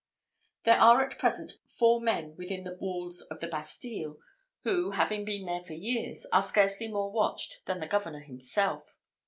"There are at present four men within the walls of the Bastille, who, having been there for years, are scarcely more watched than the governor himself.